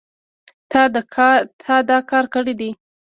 تا دا کار کړی دی